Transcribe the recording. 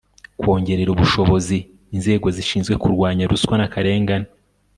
kongerera ubushobozi inzego zishinzwe kurwanya ruswa n' akarengane